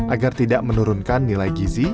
agar tidak menurunkan nilai gizi